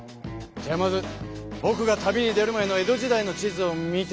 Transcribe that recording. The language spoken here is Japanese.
じゃあまずぼくが旅に出る前の江戸時代の地図を見てくれ。